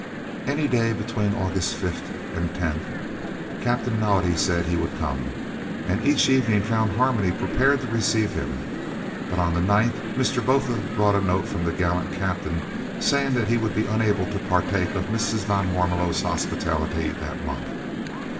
Any day between August 5th and 10th Captain Naudé said he would come, and each evening found Harmony prepared to receive him, but on the 9th Mr. Botha brought a note from the gallant Captain saying that he would be unable to partake of Mrs. van Warmelo's hospitality that month.